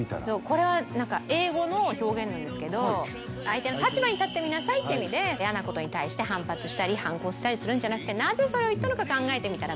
これは英語の表現なんですけどって意味で嫌なことに対して反発したり反抗したりするんじゃなくてなぜそれを言ったのか考えてみたら？